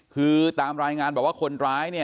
คือตามรายงานบอกว่าคนร้ายเนี่ย